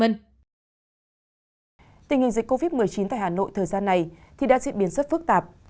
tình hình dịch covid một mươi chín tại hà nội thời gian này thì đã diễn biến rất phức tạp